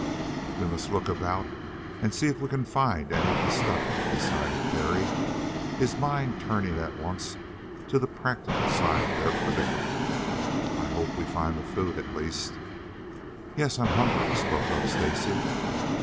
"We must look about and see if we can find any of the stuff," decided Parry, his mind turning at once to the practical side of their predicament. "I hope we find the food at least." "Yes, I'm hungry," spoke up Stacy.